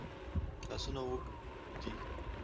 لاسونه اوږد دي.